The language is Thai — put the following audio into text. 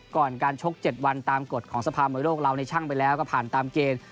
ก่อนการชก๗วันตามกฎของสภามวยโลกเราในช่างไปแล้วก็ผ่านตามเกณฑ์